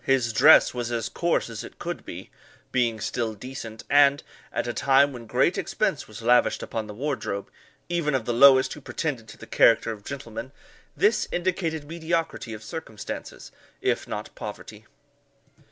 His dress was as coarse as it could be, being still decent; and, at a time when great expense was lavished upon the wardrobe, even of the lowest who pretended to the character of gentleman, this indicated mediocrity of circumstances, if not poverty.